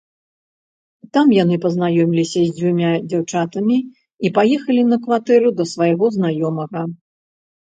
Там яны пазнаёміліся з дзвюма дзяўчатамі і паехалі на кватэру да свайго знаёмага.